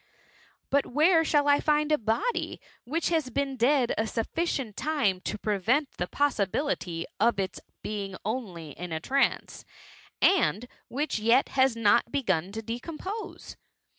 ''But where shall I £nd a body, which has been dead a sufficieot time to prevent the pojfr aibility of its being only in a trance, and which yet has not begun to decompose